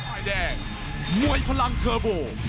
ฝ่ายแดงมวยพลังเทอร์โบ